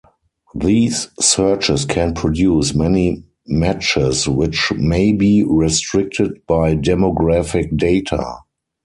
These searches can produce many matches which may be restricted by demographic data.